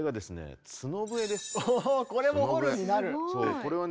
これはね